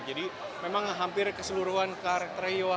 jadi memang hampir keseluruhan karakternya ya wah